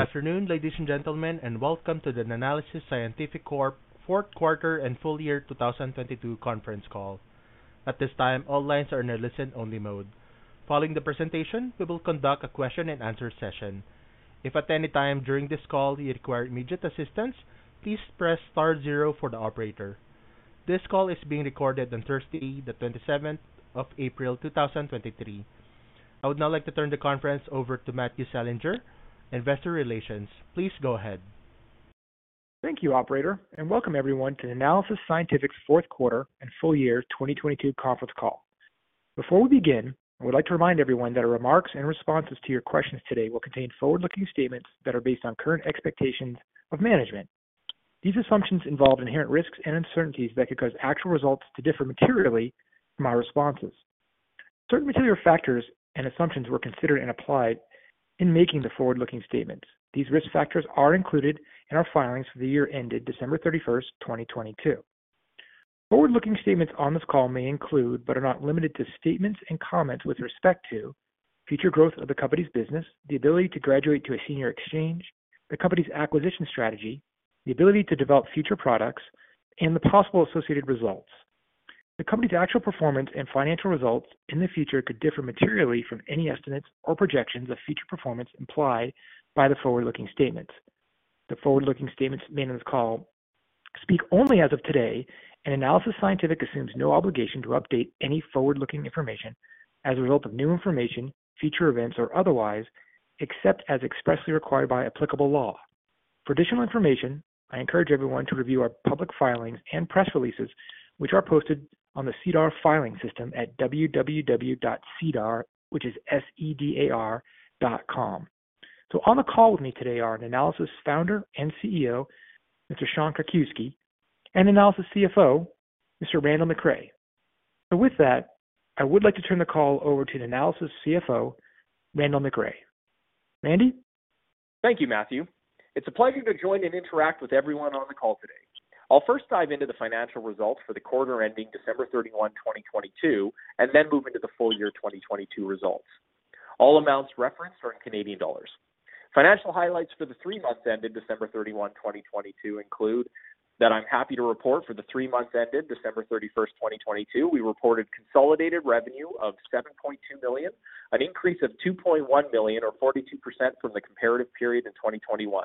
Good afternoon, ladies and gentlemen, and welcome to the Nanalysis Scientific Corp fourth quarter and full year 2022 conference call. At this time, all lines are in a listen-only mode. Following the presentation, we will conduct a question and answer session. If at any time during this call you require immediate assistance, please press star zero for the operator. This call is being recorded on Thursday, the 27th of April 2023. I would now like to turn the conference over to Matthew Selinger, Investor Relations. Please go ahead. Thank you, operator, and welcome everyone to Nanalysis Scientific's fourth quarter and full year 2022 conference call. Before we begin, I would like to remind everyone that our remarks and responses to your questions today will contain forward-looking statements that are based on current expectations of management. These assumptions involve inherent risks and uncertainties that could cause actual results to differ materially from our responses. Certain material factors and assumptions were considered and applied in making the forward-looking statements. These risk factors are included in our filings for the year ended December 31st, 2022. Forward-looking statements on this call may include, but are not limited to, statements and comments with respect to future growth of the company's business, the ability to graduate to a senior exchange, the company's acquisition strategy, the ability to develop future products, and the possible associated results. The company's actual performance and financial results in the future could differ materially from any estimates or projections of future performance implied by the forward-looking statements. The forward-looking statements made on this call speak only as of today, Nanalysis Scientific assumes no obligation to update any forward-looking information as a result of new information, future events or otherwise, except as expressly required by applicable law. For additional information, I encourage everyone to review our public filings and press releases, which are posted on the SEDAR filing system at www.sedar, which is S-E-D-A-R.com. On the call with me today are Nanalysis founder and CEO, Mr. Sean Krakiwsky, and Nanalysis CFO, Mr. Randall McRae. With that, I would like to turn the call over to Nanalysis CFO, Randall McRae. Randy? Thank you, Matthew. It's a pleasure to join and interact with everyone on the call today. I'll first dive into the financial results for the quarter ending December 31, 2022, and then move into the full year 2022 results. All amounts referenced are in Canadian dollars. Financial highlights for the three months ended December 31, 2022 include that I'm happy to report for the three months ended December 31st, 2022, we reported consolidated revenue of 7.2 million, an increase of 2.1 million or 42% from the comparative period in 2021.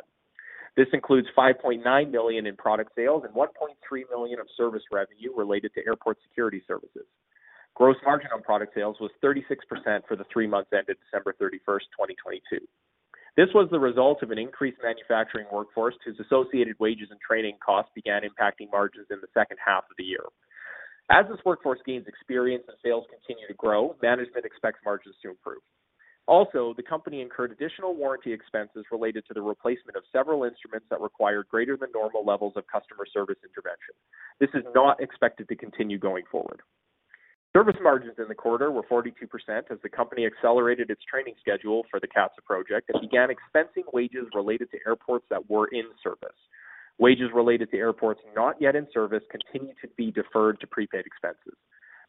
This includes 5.9 million in product sales and 1.3 million of service revenue related to airport security services. Gross margin on product sales was 36% for the three months ended December 31st, 2022. This was the result of an increased manufacturing workforce whose associated wages and training costs began impacting margins in the second half of the year. As this workforce gains experience and sales continue to grow, management expects margins to improve. Also, the company incurred additional warranty expenses related to the replacement of several instruments that require greater than normal levels of customer service intervention. This is not expected to continue going forward. Service margins in the quarter were 42% as the company accelerated its training schedule for the CATSA project and began expensing wages related to airports that were in service. Wages related to airports not yet in service continue to be deferred to prepaid expenses.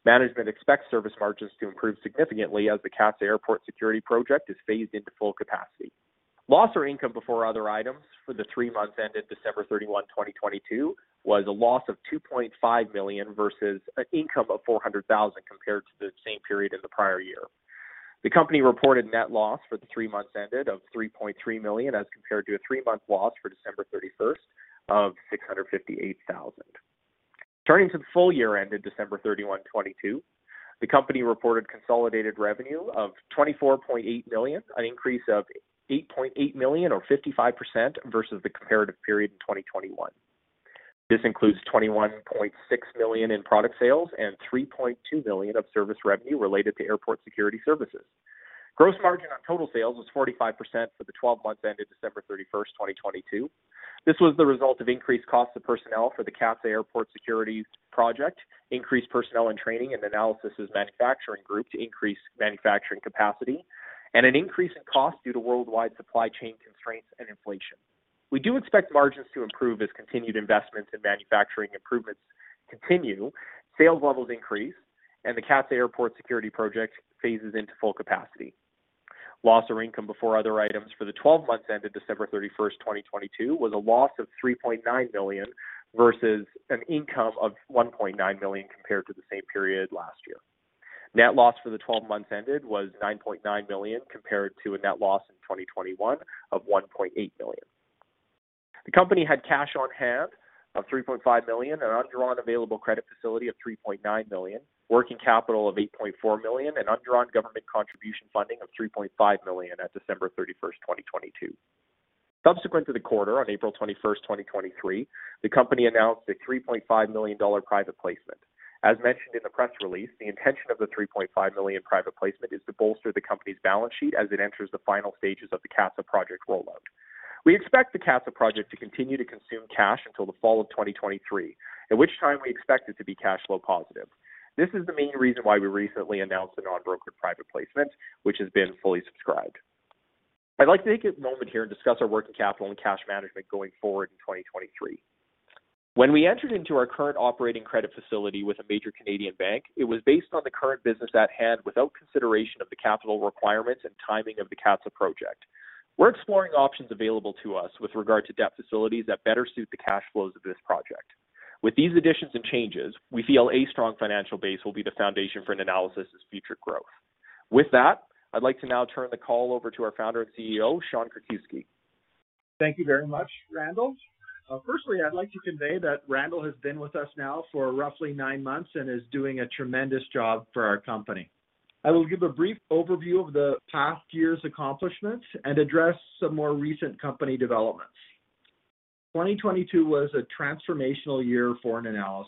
Management expects service margins to improve significantly as the CATSA airport security project is phased into full capacity. Loss or income before other items for the three months ended December 31, 2022, was a loss of 2.5 million versus an income of 400,000 compared to the same period in the prior year. The company reported net loss for the three months ended of 3.3 million as compared to a three-month loss for December 31st of 658,000. Turning to the full year ended December 31, 2022. The company reported consolidated revenue of 24.8 million, an increase of 8.8 million or 55% versus the comparative period in 2021. This includes 21.6 million in product sales and 3.2 million of service revenue related to airport security services. Gross margin on total sales was 45% for the 12 months ended December 31st, 2022. This was the result of increased costs of personnel for the CATSA airport security project, increased personnel and training in Nanalysis' manufacturing group to increase manufacturing capacity, and an increase in cost due to worldwide supply chain constraints and inflation. We do expect margins to improve as continued investments in manufacturing improvements continue, sales levels increase, and the CATSA airport security project phases into full capacity. Loss or income before other items for the 12 months ended December 31, 2022, was a loss of 3.9 million versus an income of 1.9 million compared to the same period last year. Net loss for the 12 months ended was 9.9 million, compared to a net loss in 2021 of 1.8 million. The company had cash on hand of 3.5 million, an undrawn available credit facility of 3.9 million, working capital of 8.4 million, and undrawn government contribution funding of 3.5 million at December 31st, 2022. Subsequent to the quarter, on April 21st, 2023, the company announced a 3.5 million dollar private placement. As mentioned in the press release, the intention of the 3.5 million private placement is to bolster the company's balance sheet as it enters the final stages of the CATSA project rollout. We expect the CATSA project to continue to consume cash until the fall of 2023, at which time we expect it to be cash flow positive. This is the main reason why we recently announced a non-brokered private placement, which has been fully subscribed. I'd like to take a moment here and discuss our working capital and cash management going forward in 2023. When we entered into our current operating credit facility with a major Canadian bank, it was based on the current business at hand without consideration of the capital requirements and timing of the CATSA project. We're exploring options available to us with regard to debt facilities that better suit the cash flows of this project. With these additions and changes, we feel a strong financial base will be the foundation for Nanalysis' future growth. With that, I'd like to now turn the call over to our founder and CEO, Sean Krakiwsky. Thank you very much, Randall. Firstly, I'd like to convey that Randall has been with us now for roughly nine months and is doing a tremendous job for our company. I will give a brief overview of the past year's accomplishments and address some more recent company developments. 2022 was a transformational year for Nanalysis.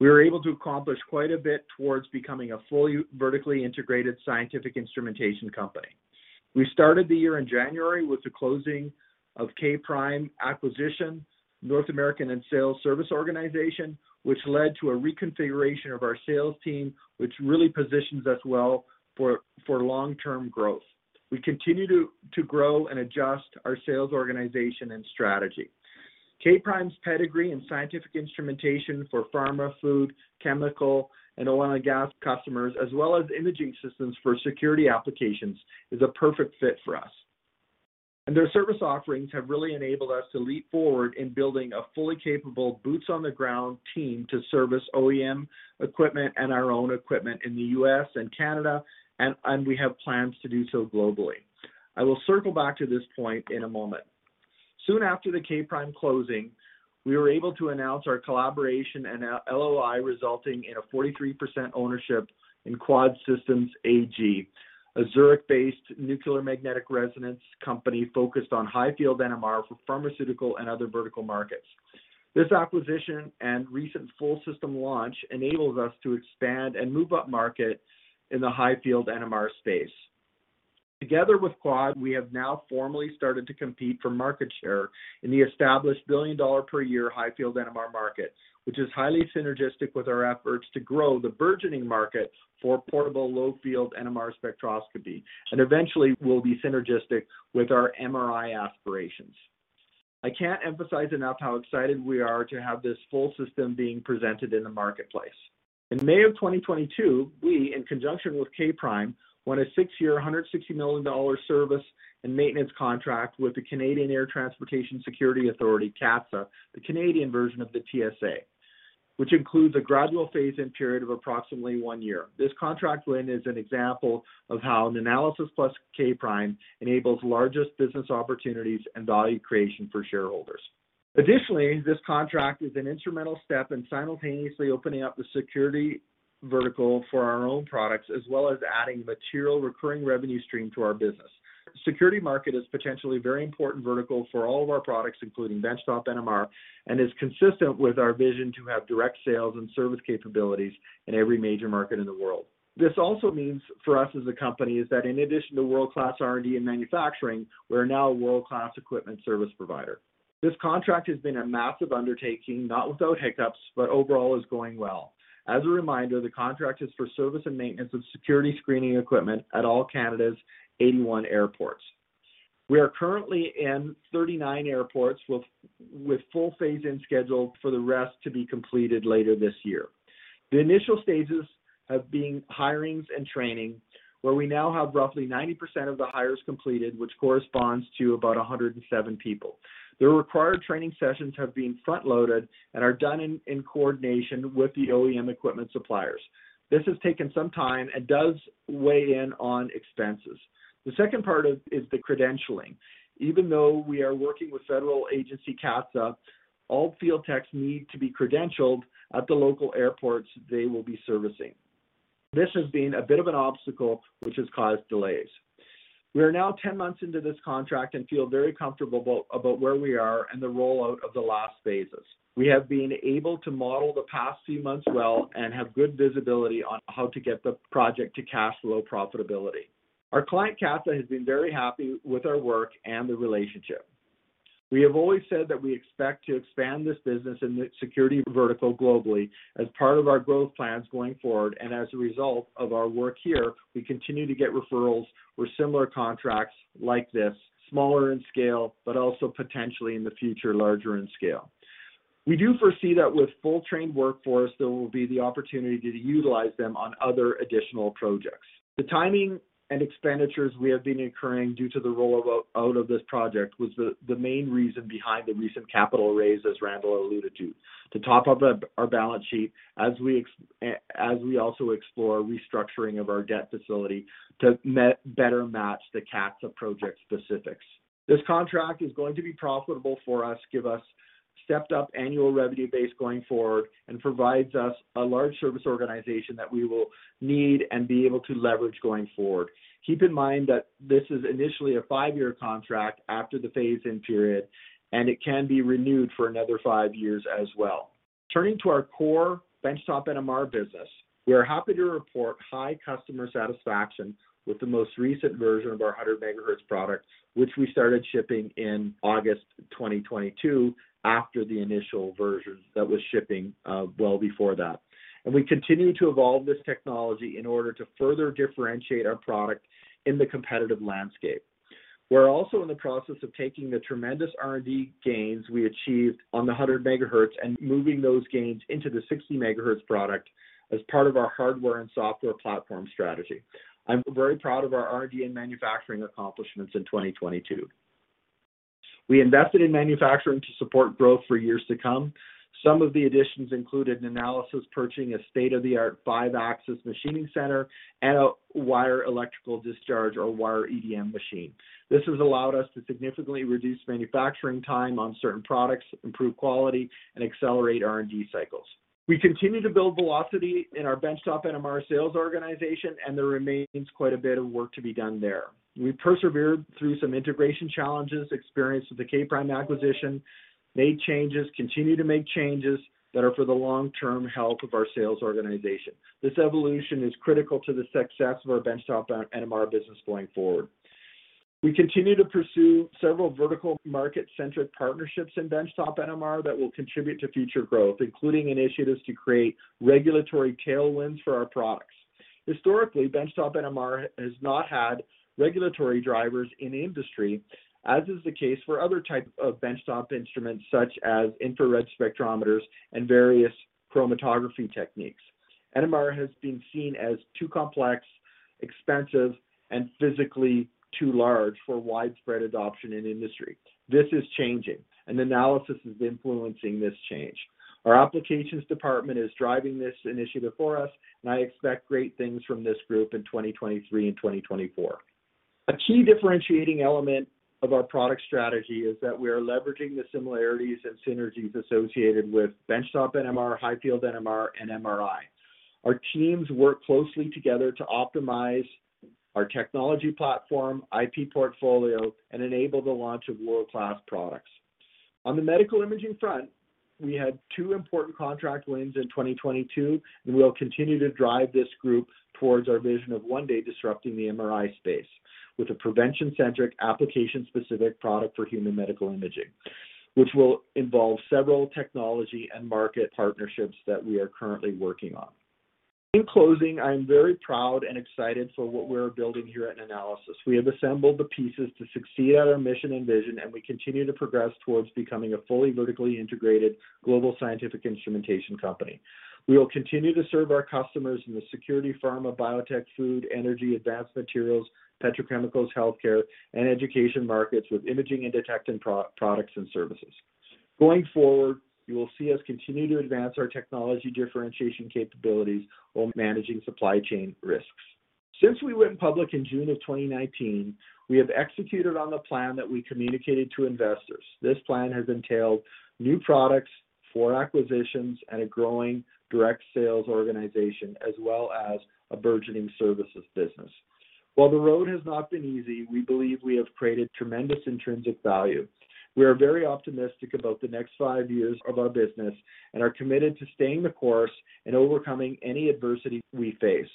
We were able to accomplish quite a bit towards becoming a fully vertically integrated scientific instrumentation company. We started the year in January with the closing of K'(Prime) acquisition, North American and sales service organization, which led to a reconfiguration of our sales team, which really positions us well for long-term growth. We continue to grow and adjust our sales organization and strategy. K'(Prime)'s pedigree and scientific instrumentation for pharma, food, chemical, and oil and gas customers, as well as imaging systems for security applications, is a perfect fit for us. Their service offerings have really enabled us to leap forward in building a fully capable boots on the ground team to service OEM equipment and our own equipment in the U.S. and Canada, and we have plans to do so globally. I will circle back to this point in a moment. Soon after the K'(Prime) closing, we were able to announce our collaboration and LOI resulting in a 43% ownership in QUAD Systems AG, a Zurich-based nuclear magnetic resonance company focused on high-field NMR for pharmaceutical and other vertical markets. This acquisition and recent full system launch enables us to expand and move upmarket in the high-field NMR space. Together with QUAD, we have now formally started to compete for market share in the established billion-dollar per year high-field NMR market, which is highly synergistic with our efforts to grow the burgeoning market for portable low-field NMR spectroscopy, and eventually will be synergistic with our MRI aspirations. I can't emphasize enough how excited we are to have this full system being presented in the marketplace. In May of 2022, we, in conjunction with K'(Prime), won a six-year, 160 million dollar service and maintenance contract with the Canadian Air Transport Security Authority, CATSA, the Canadian version of the TSA, which includes a gradual phase-in period of approximately one year. This contract win is an example of how Nanalysis plus K'(Prime) enables largest business opportunities and value creation for shareholders. This contract is an instrumental step in simultaneously opening up the security vertical for our own products, as well as adding material recurring revenue stream to our business. Security market is potentially very important vertical for all of our products, including benchtop NMR, and is consistent with our vision to have direct sales and service capabilities in every major market in the world. This also means for us as a company is that in addition to world-class R&D and manufacturing, we're now a world-class equipment service provider. This contract has been a massive undertaking, not without hiccups, but overall is going well. As a reminder, the contract is for service and maintenance of security screening equipment at all Canada's 81 airports. We are currently in 39 airports with full phase-in schedule for the rest to be completed later this year. The initial stages have been hirings and training, where we now have roughly 90% of the hires completed, which corresponds to about 107 people. The required training sessions have been front-loaded and are done in coordination with the OEM equipment suppliers. This has taken some time and does weigh in on expenses. The second part is the credentialing. Even though we are working with federal agency, CATSA, all field techs need to be credentialed at the local airports they will be servicing. This has been a bit of an obstacle which has caused delays. We are now 10 months into this contract and feel very comfortable about where we are and the rollout of the last phases. We have been able to model the past few months well and have good visibility on how to get the project to cash flow profitability. Our client, CATSA, has been very happy with our work and the relationship. We have always said that we expect to expand this business in the security vertical globally as part of our growth plans going forward. As a result of our work here, we continue to get referrals for similar contracts like this, smaller in scale, but also potentially in the future, larger in scale. We do foresee that with full trained workforce, there will be the opportunity to utilize them on other additional projects. The timing and expenditures we have been incurring due to the roll out of this project was the main reason behind the recent capital raise, as Randall alluded to. To top up our balance sheet as we also explore restructuring of our debt facility to better match the CATSA project specifics. This contract is going to be profitable for us, give us stepped up annual revenue base going forward, and provides us a large service organization that we will need and be able to leverage going forward. Keep in mind that this is initially a five-year contract after the phase-in period, and it can be renewed for another five years as well. Turning to our core benchtop NMR business, we are happy to report high customer satisfaction with the most recent version of our 100 MHz product, which we started shipping in August 2022 after the initial versions that was shipping well before that. We continue to evolve this technology in order to further differentiate our product in the competitive landscape. We're also in the process of taking the tremendous R&D gains we achieved on the 100 MHz and moving those gains into the 60 MHz product as part of our hardware and software platform strategy. I'm very proud of our R&D and manufacturing accomplishments in 2022. We invested in manufacturing to support growth for years to come. Some of the additions included Nanalysis purchasing a state-of-the-art five-axis machining center and a wire electrical discharge or wire EDM machine. This has allowed us to significantly reduce manufacturing time on certain products, improve quality, and accelerate R&D cycles. We continue to build velocity in our benchtop NMR sales organization, and there remains quite a bit of work to be done there. We persevered through some integration challenges experienced with the K'(Prime) acquisition, made changes, continue to make changes that are for the long-term health of our sales organization. This evolution is critical to the success of our benchtop NMR business going forward. We continue to pursue several vertical market-centric partnerships in benchtop NMR that will contribute to future growth, including initiatives to create regulatory tailwinds for our products. Historically, benchtop NMR has not had regulatory drivers in industry, as is the case for other type of benchtop instruments such as infrared spectrometers and various chromatography techniques. NMR has been seen as too complex, expensive, and physically too large for widespread adoption in industry. This is changing. Nanalysis is influencing this change. Our applications department is driving this initiative for us. I expect great things from this group in 2023 and 2024. A key differentiating element of our product strategy is that we are leveraging the similarities and synergies associated with benchtop NMR, high-field NMR, and MRI. Our teams work closely together to optimize our technology platform, IP portfolio, and enable the launch of world-class products. On the medical imaging front, we had two important contract wins in 2022, and we'll continue to drive this group towards our vision of one day disrupting the MRI space with a prevention-centric, application-specific product for human medical imaging, which will involve several technology and market partnerships that we are currently working on. In closing, I am very proud and excited for what we're building here at Nanalysis. We have assembled the pieces to succeed at our mission and vision, and we continue to progress towards becoming a fully vertically integrated global scientific instrumentation company. We will continue to serve our customers in the security, pharma, biotech, food, energy, advanced materials, petrochemicals, healthcare, and education markets with imaging and detecting pro- products and services. Going forward, you will see us continue to advance our technology differentiation capabilities while managing supply chain risks. Since we went public in June of 2019, we have executed on the plan that we communicated to investors. This plan has entailed new products, four acquisitions, and a growing direct sales organization, as well as a burgeoning services business. While the road has not been easy, we believe we have created tremendous intrinsic value. We are very optimistic about the next five years of our business and are committed to staying the course and overcoming any adversity we face.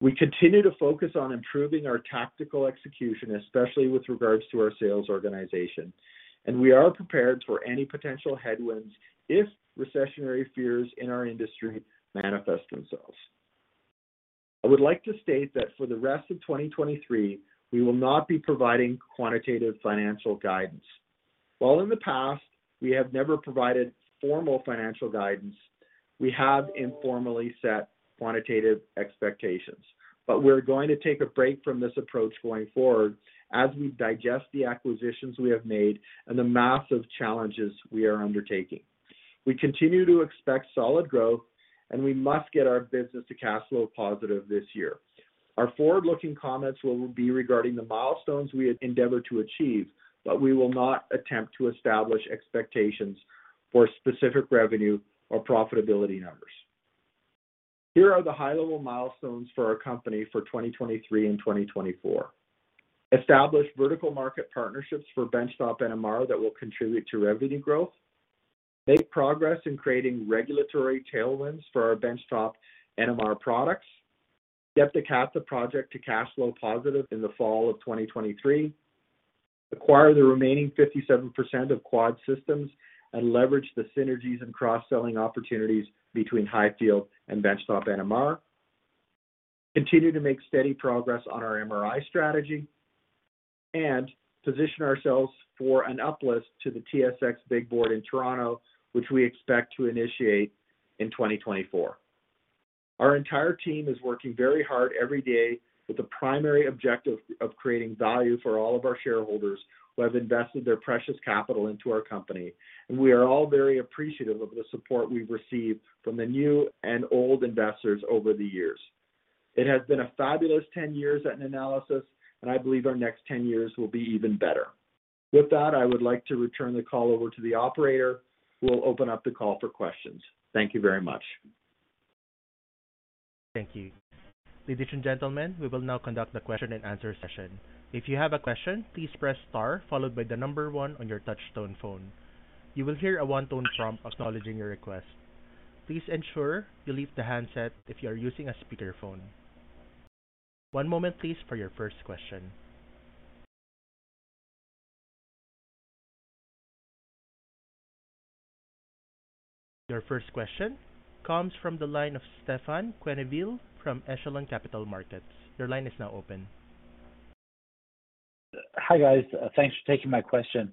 We continue to focus on improving our tactical execution, especially with regards to our sales organization, and we are prepared for any potential headwinds if recessionary fears in our industry manifest themselves. I would like to state that for the rest of 2023, we will not be providing quantitative financial guidance. While in the past we have never provided formal financial guidance, we have informally set quantitative expectations, but we're going to take a break from this approach going forward as we digest the acquisitions we have made and the massive challenges we are undertaking. We continue to expect solid growth, and we must get our business to cash flow positive this year. Our forward-looking comments will be regarding the milestones we endeavor to achieve, but we will not attempt to establish expectations for specific revenue or profitability numbers. Here are the high-level milestones for our company for 2023 and 2024. Establish vertical market partnerships for benchtop NMR that will contribute to revenue growth. Make progress in creating regulatory tailwinds for our benchtop NMR products. Get the CATSA project to cash flow positive in the fall of 2023. Acquire the remaining 57% of QUAD Systems and leverage the synergies and cross-selling opportunities between high-field and benchtop NMR. Continue to make steady progress on our MRI strategy and position ourselves for an uplist to the TSX Big Board in Toronto, which we expect to initiate in 2024. Our entire team is working very hard every day with the primary objective of creating value for all of our shareholders who have invested their precious capital into our company, and we are all very appreciative of the support we've received from the new and old investors over the years. It has been a fabulous 10 years at Nanalysis, and I believe our next 10 years will be even better. With that, I would like to return the call over to the operator, who will open up the call for questions. Thank you very much. Thank you. Ladies and gentlemen, we will now conduct the question and answer session. If you have a question, please press star followed by star on your touch-tone phone. You will hear a one-tone prompt acknowledging your request. Please ensure you leave the handset if you are using a speakerphone. One moment please for your first question. Your first question comes from the line of Stefan Quenneville from Echelon Capital Markets. Your line is now open. Hi, guys. Thanks for taking my question.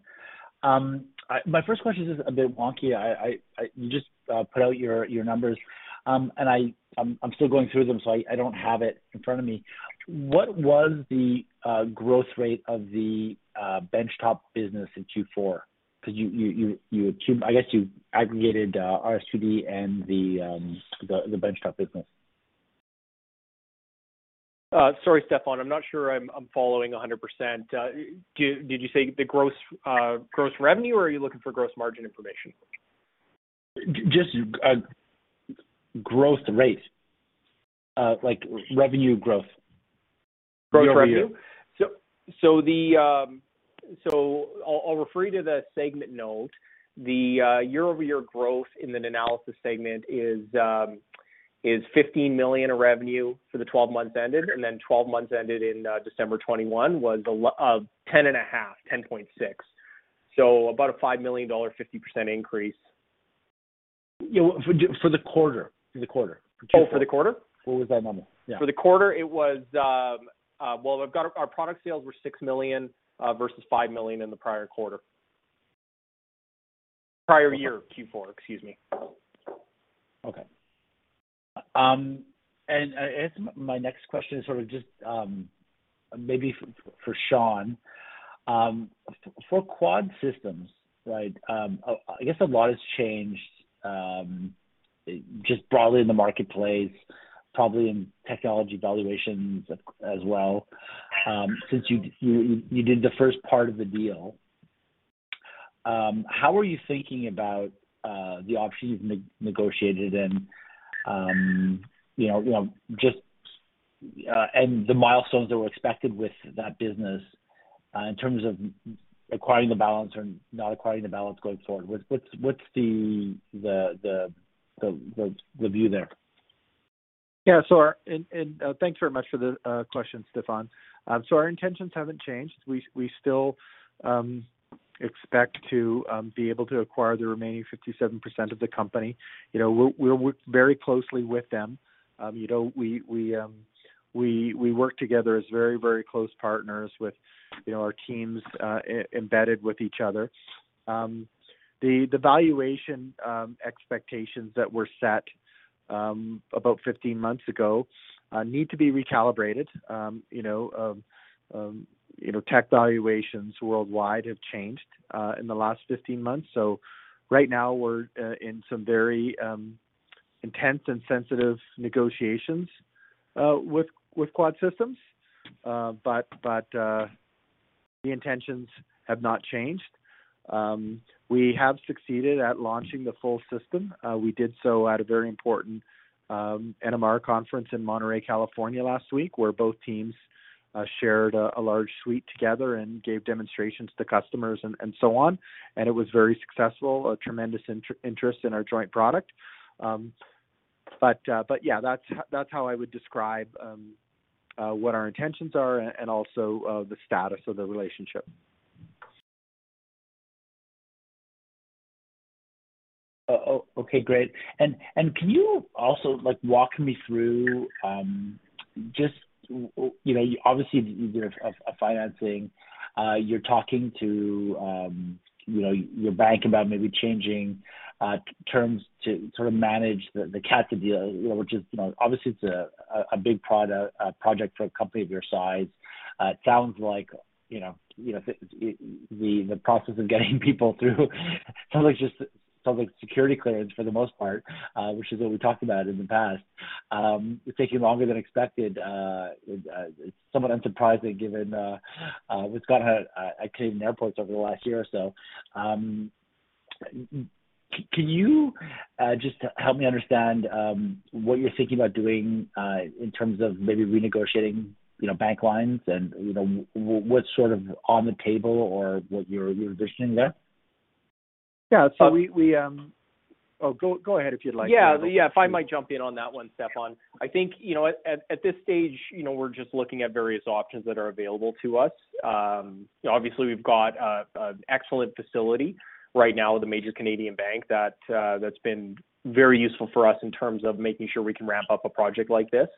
My first question is a bit wonky. You just put out your numbers, and I'm still going through them, so I don't have it in front of me. What was the growth rate of the benchtop business in Q4? I guess you aggregated RS2D and the benchtop business. Sorry, Stefan, I'm not sure I'm following 100%. Did you say the gross revenue or are you looking for gross margin information? Just, growth rate, like revenue growth. Gross revenue? Year-over-year. I'll refer you to the segment note. The year-over-year growth in the Nanalysis segment is 15 million of revenue for the 12 months ended, 12 months ended in December 2021 was 10.5, 10.6. About a 5 million dollar, 50% increase. Yeah. For the quarter, Q4. Oh, for the quarter? What was that number? Yeah. For the quarter it was Well, we've got our product sales were 6 million versus 5 million in the prior quarter. Prior year Q4, excuse me. Okay. I guess my next question is sort of just, maybe for Sean. For QUAD Systems, right? I guess a lot has changed, just broadly in the marketplace, probably in technology valuations as well, since you did the first part of the deal. How are you thinking about the options you've negotiated and, you know, just, and the milestones that were expected with that business, in terms of acquiring the balance or not acquiring the balance going forward. What's the view there? Thanks very much for the question, Stefan. Our intentions haven't changed. We still expect to be able to acquire the remaining 57% of the company. You know, we're working very closely with them. You know, we work together as very, very close partners with, you know, our teams embedded with each other. The valuation expectations that were set about 15 months ago need to be recalibrated. You know, you know, tech valuations worldwide have changed in the last 15 months. Right now we're in some very intense and sensitive negotiations with QUAD Systems. The intentions have not changed. We have succeeded at launching the full system. We did so at a very important NMR conference in Monterey, California last week, where both teams shared a large suite together and gave demonstrations to customers and so on. It was very successful, a tremendous inter-interest in our joint product. Yeah, that's how I would describe what our intentions are and also the status of the relationship. Okay, great. Can you also like walk me through, just, you know, obviously you did a financing, you're talking to, you know, your bank about maybe changing terms to sort of manage the CATSA deal, which is, you know, obviously it's a big project for a company of your size. It sounds like, you know, the process of getting people through sounds like just public security clearance for the most part, which is what we talked about in the past, is taking longer than expected. Somewhat unsurprisingly given what's gone on at Canadian airports over the last year or so. Can you just help me understand what you're thinking about doing in terms of maybe renegotiating, you know, bank lines and, you know, what's sort of on the table or what you're envisioning there? Yeah. Oh, go ahead if you'd like. Yeah. Yeah. If I might jump in on that one, Stefan. I think, you know, at this stage, you know, we're just looking at various options that are available to us. Obviously we've got an excellent facility right now with a major Canadian bank that's been very useful for us in terms of making sure we can ramp up a project like this.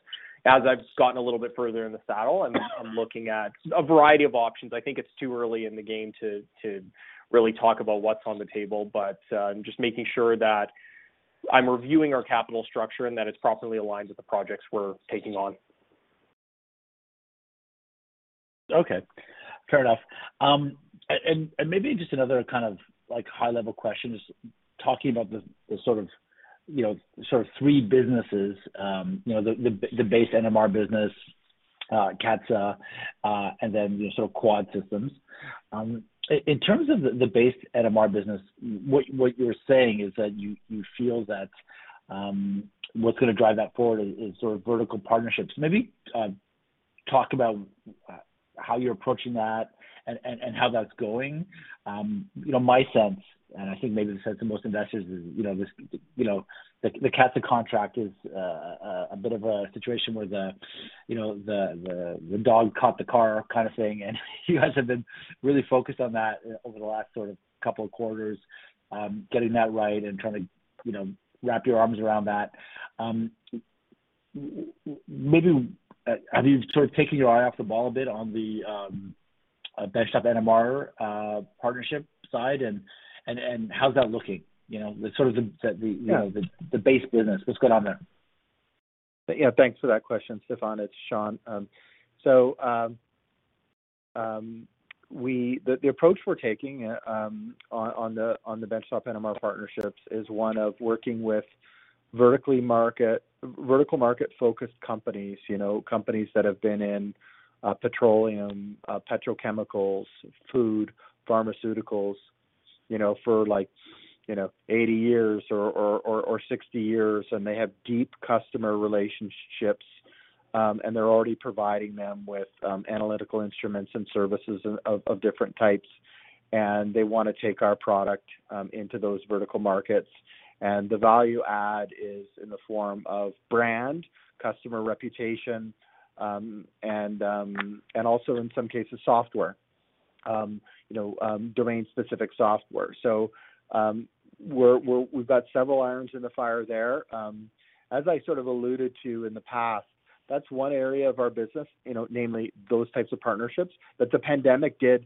As I've gotten a little bit further in the saddle, I'm looking at a variety of options. I think it's too early in the game to really talk about what's on the table, but I'm just making sure that I'm reviewing our capital structure and that it's properly aligned with the projects we're taking on. Okay. Fair enough. Maybe just another kind of, like, high level question, just talking about the sort of, you know, sort of three businesses, you know, the base NMR business, CATSA, and then, you know, sort of Quad Systems. In terms of the base NMR business, what you're saying is that you feel that, what's gonna drive that forward is sort of vertical partnerships. Maybe, talk about how you're approaching that and how that's going. You know, my sense, and I think maybe the sense of most investors is, you know, this, you know, the CATSA contract is a bit of a situation where, you know, the dog caught the car kind of thing, and you guys have been really focused on that over the last sort of couple of quarters, getting that right and trying to, you know, wrap your arms around that. Maybe have you sort of taken your eye off the ball a bit on the benchtop NMR partnership side? How's that looking? You know, the sort of. Yeah. You know, the base business. What's going on there? Yeah, thanks for that question, Stefan. It's Sean. The approach we're taking on the benchtop NMR partnerships is one of working with vertically market, vertical market-focused companies. You know, companies that have been in petroleum, petrochemicals, food, pharmaceuticals, you know, for like, you know, 80 years or 60 years, and they have deep customer relationships. They're already providing them with analytical instruments and services of different types. They wanna take our product into those vertical markets. The value add is in the form of brand, customer reputation, and also in some cases, software, you know, domain-specific software. We've got several irons in the fire there. As I sort of alluded to in the past, that's one area of our business, you know, namely those types of partnerships, that the pandemic did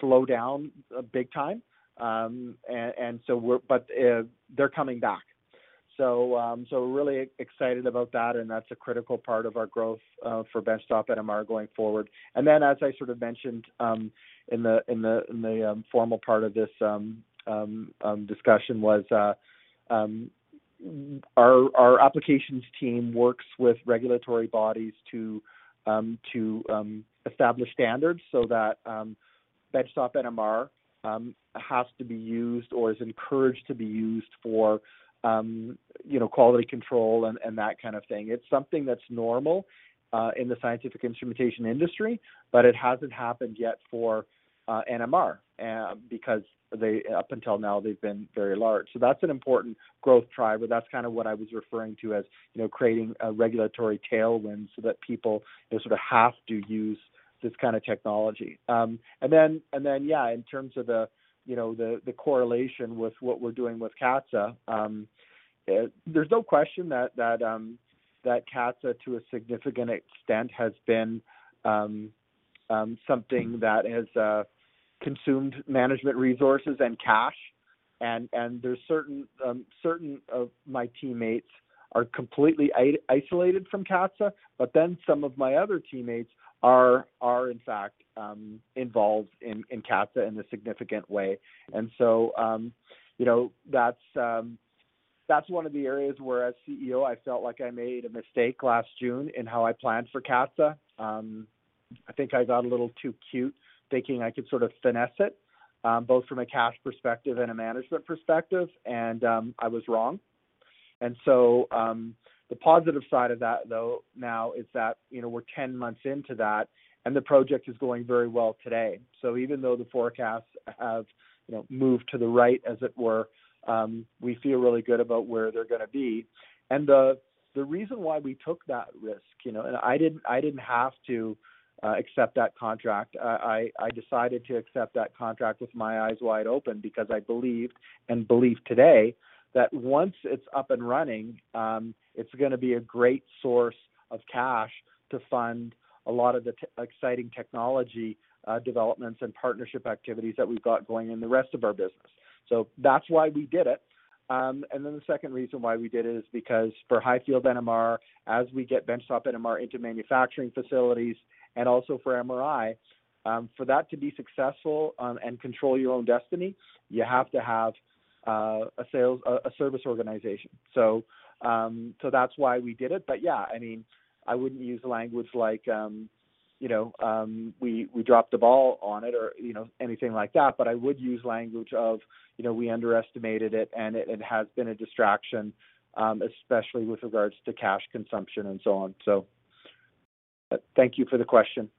slow down big time. They're coming back. We're really excited about that, and that's a critical part of our growth for benchtop NMR going forward. As I sort of mentioned in the formal part of this discussion, our applications team works with regulatory bodies to establish standards so that benchtop NMR has to be used or is encouraged to be used for, you know, quality control. It's something that's normal in the scientific instrumentation industry, but it hasn't happened yet for NMR because up until now they've been very large. That's an important growth driver. That's kind of what I was referring to as, you know, creating a regulatory tailwind so that people, you know, sort of have to use this kind of technology. Yeah, in terms of the, you know, the correlation with what we're doing with CATSA, there's no question that CATSA to a significant extent has been something that has consumed management resources and cash. There's certain of my teammates are completely isolated from CATSA, but then some of my other teammates are in fact involved in CATSA in a significant way. You know, that's one of the areas where as CEO, I felt like I made a mistake last June in how I planned for CATSA. I think I got a little too cute thinking I could sort of finesse it, both from a cash perspective and a management perspective, and I was wrong. The positive side of that though now is that, you know, we're 10 months into that, and the project is going very well today. Even though the forecasts have, you know, moved to the right, as it were, we feel really good about where they're gonna be. The reason why we took that risk, you know, I didn't have to accept that contract. I decided to accept that contract with my eyes wide open because I believed and believe today that once it's up and running, it's gonna be a great source of cash to fund a lot of the exciting technology developments and partnership activities that we've got going in the rest of our business. That's why we did it. The second reason why we did it is because for high-field NMR, as we get benchtop NMR into manufacturing facilities and also for MRI, for that to be successful and control your own destiny, you have to have a service organization. That's why we did it. Yeah, I mean, I wouldn't use language like, you know, we dropped the ball on it or, you know, anything like that. I would use language of, you know, we underestimated it, and it has been a distraction, especially with regards to cash consumption and so on. Thank you for the question.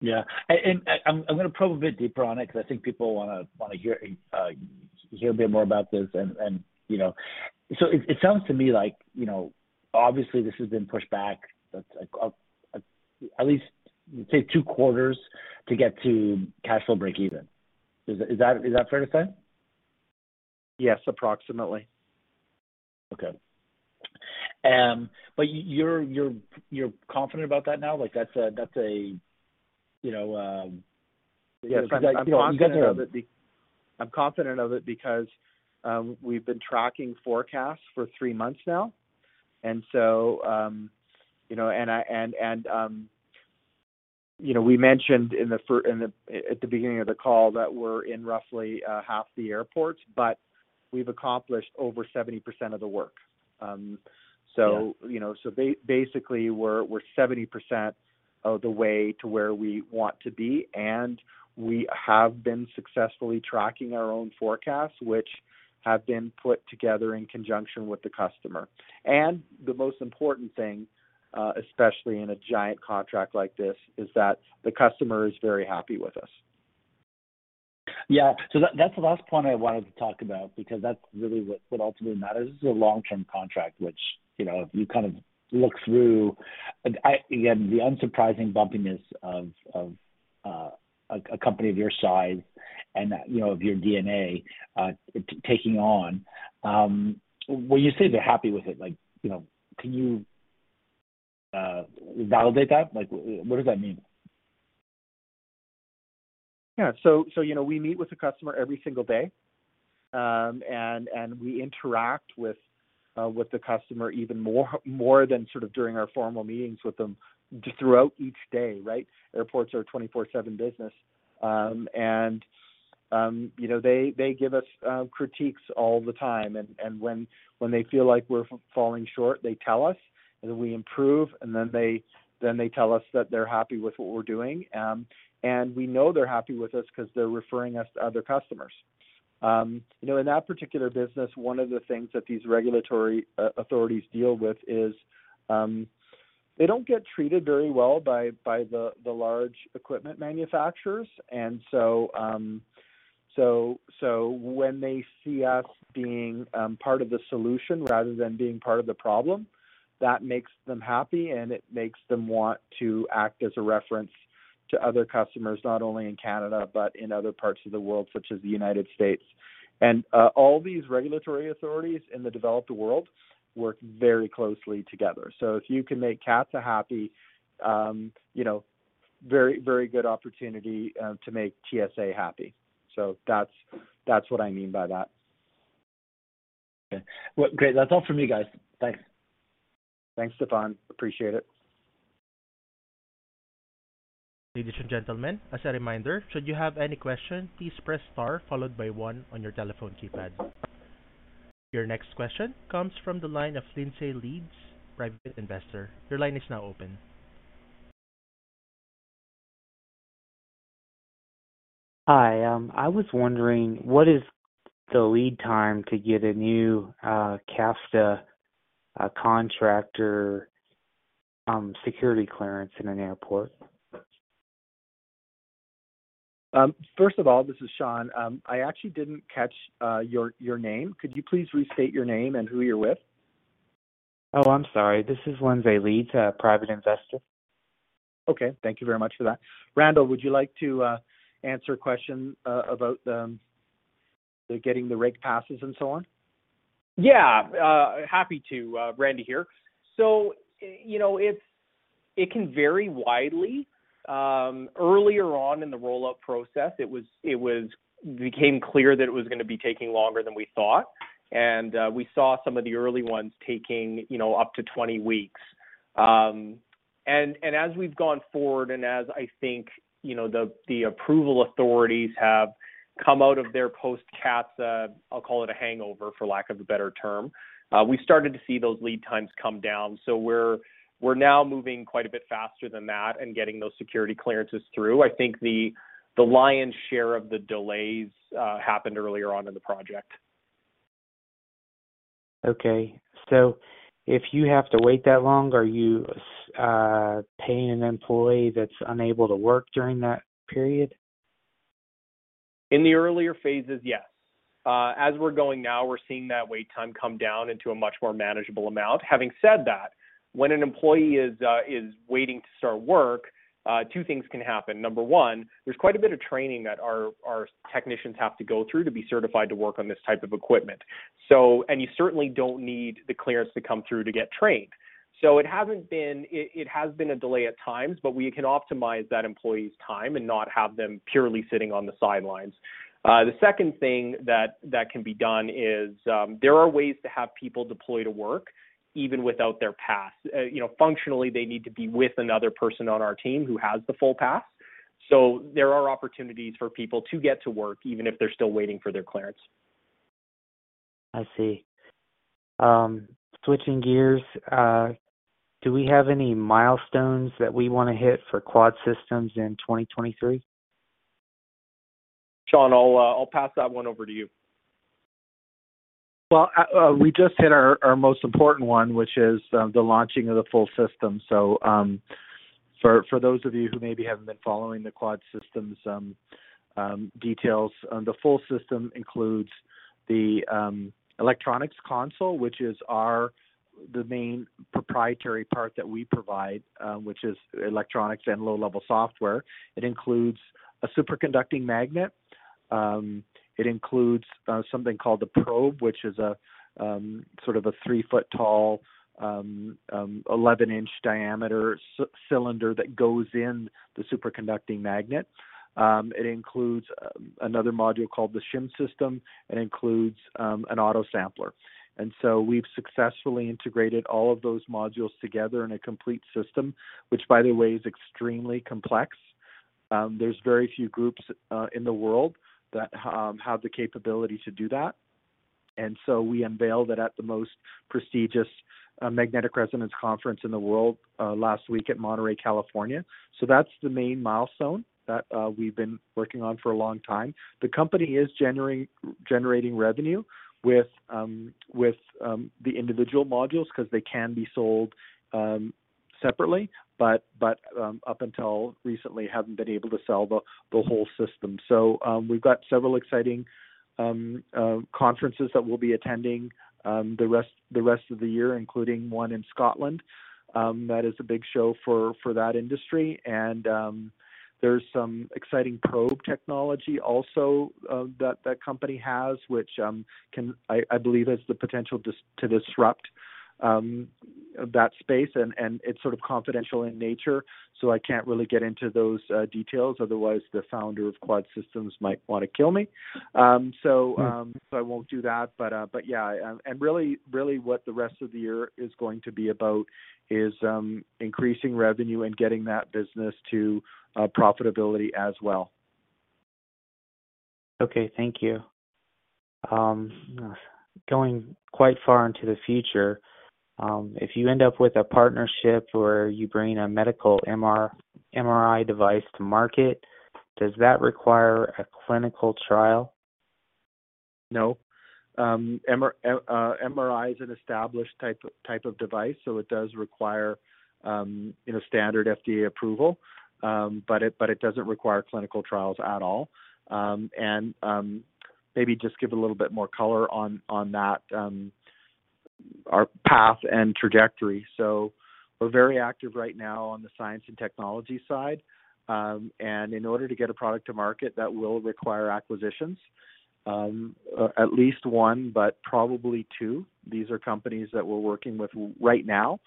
Yeah. I'm gonna probe a bit deeper on it 'cause I think people wanna hear a bit more about this and, you know. It sounds to me like, you know, obviously this has been pushed back, like, at least say two quarters to get to cash flow breakeven. Is that fair to say? Yes, approximately. Okay. you're confident about that now? Like that's a, you know, Yes. I'm confident of it. You got I'm confident of it because we've been tracking forecasts for three months now. You know, you know, we mentioned at the beginning of the call that we're in roughly half the airports, we've accomplished over 70% of the work. Yeah. You know, basically, we're 70% of the way to where we want to be, and we have been successfully tracking our own forecasts, which have been put together in conjunction with the customer. The most important thing, especially in a giant contract like this, is that the customer is very happy with us. Yeah. That, that's the last point I wanted to talk about because that's really what ultimately matters. This is a long-term contract, which, you know, if you kind of look through... Again, the unsurprising bumpiness of a company of your size and, you know, of your DNA, taking on. When you say they're happy with it, like, you know, can you validate that? Like, what does that mean? Yeah. You know, we meet with the customer every single day. And we interact with the customer even more than sort of during our formal meetings with them just throughout each day, right? Airports are 24/7 business. You know, they give us critiques all the time. When they feel like we're falling short, they tell us, and then we improve, and then they tell us that they're happy with what we're doing. We know they're happy with us 'cause they're referring us to other customers. You know, in that particular business, one of the things that these regulatory authorities deal with is they don't get treated very well by the large equipment manufacturers. So when they see us being part of the solution rather than being part of the problem, that makes them happy, and it makes them want to act as a reference to other customers, not only in Canada but in other parts of the world, such as the United States. All these regulatory authorities in the developed world work very closely together. If you can make CATSA happy, you know, very good opportunity to make TSA happy. That's what I mean by that. Okay. Well, great. That's all for me, guys. Thanks. Thanks, Stefan. Appreciate it. Ladies and gentlemen, as a reminder, should you have any question, please press star followed by one on your telephone keypad. Your next question comes from the line of Lindsay Leeds, Private Investor. Your line is now open. Hi. I was wondering, what is the lead time to get a new CATSA contractor security clearance in an airport? First of all, this is Sean. I actually didn't catch, your name. Could you please restate your name and who you're with? Oh, I'm sorry. This is Lindsay Leeds, a private investor. Okay. Thank you very much for that. Randall, would you like to answer a question about the getting the rig passes and so on? Happy to. Randy here. You know, it can vary widely. Earlier on in the roll-up process, it became clear that it was gonna be taking longer than we thought. We saw some of the early ones taking, you know, up to 20 weeks. As we've gone forward and as I think, you know, the approval authorities have come out of their post-CATSA, I'll call it a hangover, for lack of a better term, we started to see those lead times come down. We're now moving quite a bit faster than that and getting those security clearances through. I think the lion's share of the delays happened earlier on in the project. Okay. If you have to wait that long, are you paying an employee that's unable to work during that period? In the earlier phases, yes. As we're going now, we're seeing that wait time come down into a much more manageable amount. Having said that, when an employee is waiting to start work, two things can happen. Number one, there's quite a bit of training that our technicians have to go through to be certified to work on this type of equipment. You certainly don't need the clearance to come through to get trained. It has been a delay at times, but we can optimize that employee's time and not have them purely sitting on the sidelines. The second thing that can be done is, there are ways to have people deploy to work even without their pass. You know, functionally, they need to be with another person on our team who has the full pass. There are opportunities for people to get to work, even if they're still waiting for their clearance. I see. Switching gears, do we have any milestones that we wanna hit for QUAD Systems in 2023? Sean, I'll pass that one over to you. Well, we just hit our most important one, which is the launching of the full system. For those of you who maybe haven't been following the QUAD Systems details, the full system includes the electronics console, which is the main proprietary part that we provide, which is electronics and low-level software. It includes a superconducting magnet. It includes something called the probe, which is a sort of a 3-ft tall, 11-in diameter cylinder that goes in the superconducting magnet. It includes another module called the shim system. It includes an autosampler. We've successfully integrated all of those modules together in a complete system, which by the way is extremely complex. There's very few groups in the world that have the capability to do that. We unveiled it at the most prestigious magnetic resonance conference in the world last week at Monterey, California. That's the main milestone that we've been working on for a long time. The company is generating revenue with the individual modules because they can be sold Separately, but up until recently haven't been able to sell the whole system. We've got several exciting conferences that we'll be attending the rest of the year, including one in Scotland that is a big show for that industry. There's some exciting probe technology also, that company has, which, I believe, has the potential to disrupt that space and it's sort of confidential in nature, so I can't really get into those details, otherwise the founder of QUAD Systems might wanna kill me. So I won't do that. Yeah. Really what the rest of the year is going to be about is increasing revenue and getting that business to profitability as well. Okay. Thank you. Going quite far into the future, if you end up with a partnership where you bring a medical MR/MRI device to market, does that require a clinical trial? MRI is an established type of device, so it does require, you know, standard FDA approval. It doesn't require clinical trials at all. Maybe just give a little bit more color on that, our path and trajectory. We're very active right now on the science and technology side. In order to get a product to market, that will require acquisitions. At least one, but probably two. These are companies that we're working with right now.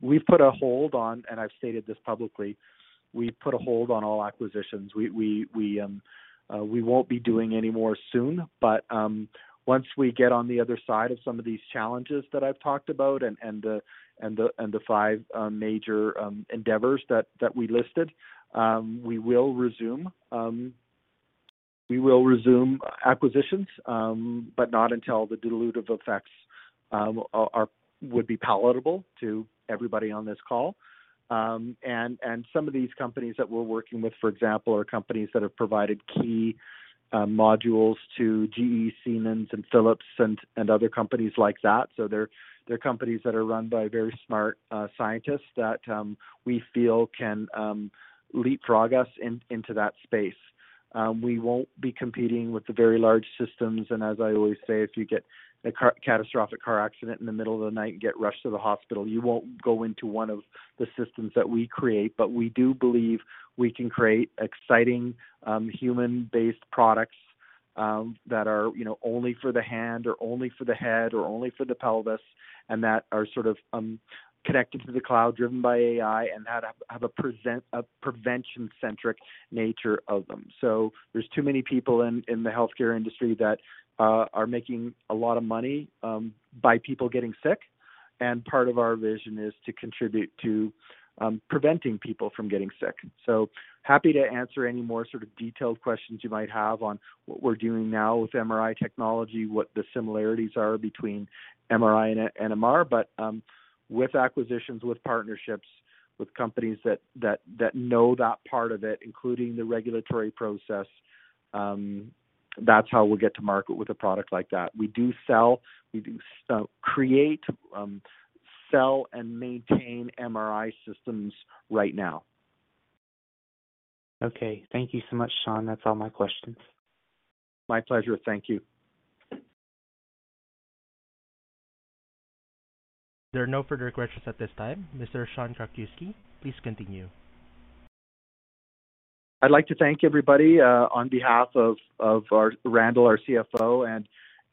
We've put a hold on, and I've stated this publicly, we've put a hold on all acquisitions. We won't be doing any more soon. Once we get on the other side of some of these challenges that I've talked about and the five major endeavors that we listed, we will resume acquisitions, but not until the dilutive effects would be palatable to everybody on this call. Some of these companies that we're working with, for example, are companies that have provided key modules to GE, Siemens and Philips and other companies like that. They're companies that are run by very smart scientists that we feel can leapfrog us into that space. We won't be competing with the very large systems. As I always say, if you get a catastrophic car accident in the middle of the night and get rushed to the hospital, you won't go into one of the systems that we create. We do believe we can create exciting, human-based products, that are, you know, only for the hand or only for the head or only for the pelvis, and that are sort of, connected to the cloud, driven by AI, and that have a prevention-centric nature of them. There's too many people in the healthcare industry that are making a lot of money by people getting sick. Part of our vision is to contribute to preventing people from getting sick. Happy to answer any more sort of detailed questions you might have on what we're doing now with MRI technology, what the similarities are between MRI and MR. With acquisitions, with partnerships, with companies that know that part of it, including the regulatory process, that's how we'll get to market with a product like that. We do sell. We do create, sell and maintain MRI systems right now. Okay. Thank you so much, Sean. That's all my questions. My pleasure. Thank you. There are no further questions at this time. Mr. Sean Krakiwsky, please continue. I'd like to thank everybody on behalf of Randall, our CFO,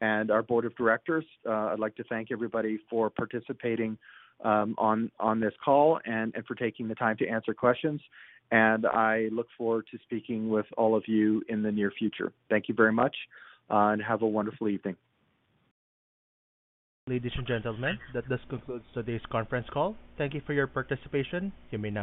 and our board of directors. I'd like to thank everybody for participating on this call and for taking the time to answer questions. I look forward to speaking with all of you in the near future. Thank you very much, and have a wonderful evening. Ladies and gentlemen, that does conclude today's conference call. Thank you for your participation. You may now disconnect.